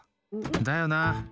だよな！